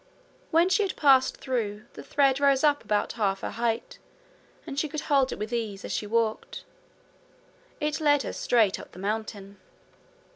When she had passed through, the thread rose to about half her height, and she could hold it with ease as she walked. It led her straight up the mountain.